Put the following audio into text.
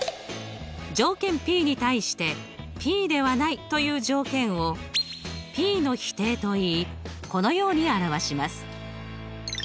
条件ｐに対してｐではないという条件をｐの否定といいこのように表します。